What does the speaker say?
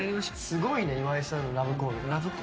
すごいね岩井さんへのラブコール。